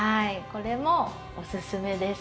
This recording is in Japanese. これもおすすめです。